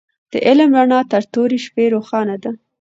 د علم رڼا تر تورې شپې روښانه ده.